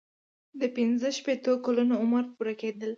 د پنځه شپیتو کلونو عمر پوره کیدل.